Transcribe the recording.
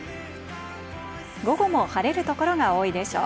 午後も晴れる所が多いでしょう。